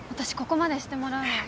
ここまでしてもらうのは。